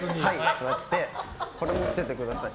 座って、持っててください。